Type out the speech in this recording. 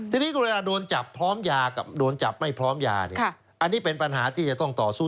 ทีนี้กรณีโดนจับพร้อมยากับโดนจับไม่พร้อมยาเนี่ยอันนี้เป็นปัญหาที่จะต้องต่อสู้